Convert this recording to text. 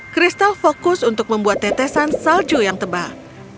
kristal fokus untuk membuat tetesan salju yang tebal